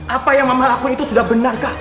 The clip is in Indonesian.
apa yang mama lakuin itu sudah benar kak